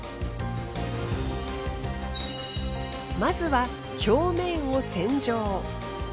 まずは表面を洗浄。